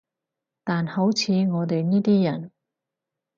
但好似我哋呢啲人